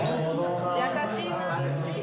優しいな。